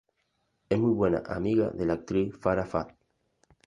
Es muy buena amiga de la actriz Farah Fath.